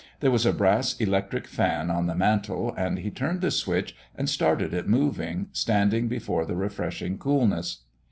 There was a brass electric fan on the mantel, and he turned the switch and started it moving, standing before the refreshing coolness.